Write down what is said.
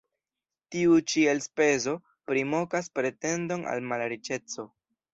Tiu ĉi elspezo primokas pretendon al malriĉeco.